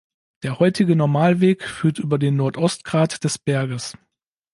Der heutige Normalweg führt über den Nordostgrat des Berges.